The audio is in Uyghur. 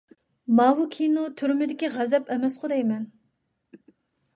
ماۋۇ كىنو «تۈرمىدىكى غەزەپ» ئەمەسقۇ دەيمەن.